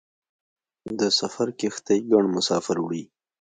د سفر کښتۍ ګڼ مسافر وړي.